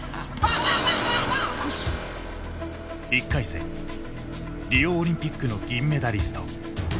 １回戦リオオリンピックの銀メダリスト。